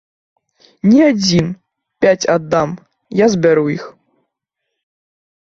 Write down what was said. Ні адзін, пяць аддам, я збяру іх.